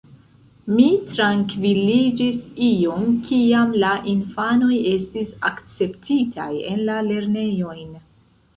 Mi trankviliĝis iom, kiam la infanoj estis akceptitaj en la lernejojn.